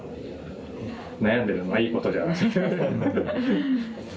悩んでるのはいいことじゃないですか。